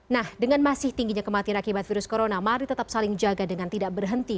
nah dengan masih tingginya kematian akibat virus corona mari tetap saling jaga dengan tidak berhenti